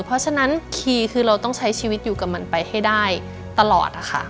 เพราะฉะนั้นคีย์คือเราต้องใช้ชีวิตอยู่กับมันไปให้ได้ตลอดนะคะ